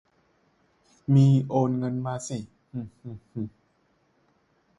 มี โอนเงินมาสิ หึหึหึ